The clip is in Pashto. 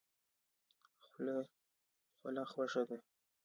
خوله خوښه ده.